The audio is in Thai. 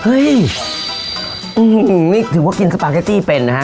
เฮ้ยนี่ถือว่ากินสปาเกตตี้เป็นนะฮะ